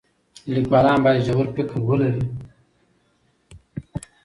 لیکوالان باید ژور فکر ولري.